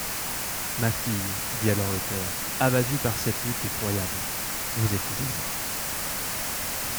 Ma fille, dit alors le père abattu par cette lutte effroyable, vous êtes libre.